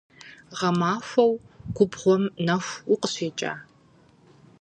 Гъэмахуэу губгъуэм нэху укъыщекӀа?